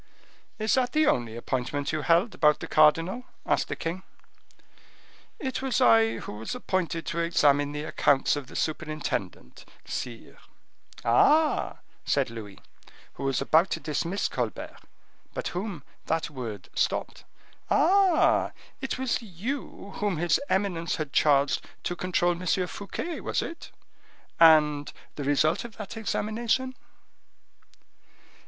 "Is that the only appointment you held about the cardinal?" asked the king. "It was I who was appointed to examine the accounts of the superintendent, sire." "Ah!" said Louis, who was about to dismiss Colbert, but whom that word stopped; "ah! it was you whom his eminence had charged to control M. Fouquet, was it? And the result of that examination?"